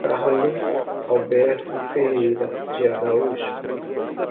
Carlos Alberto Ferreira de Araújo